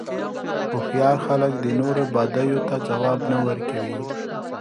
هوښیار خلک د نورو بدیو ته ځواب نه ورکوي.